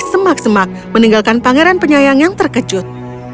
semak semak meninggalkan pangeran penyayang yang terkejut